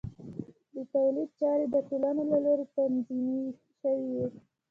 د تولید چارې د ټولنو له لوري تنظیم شوې وې.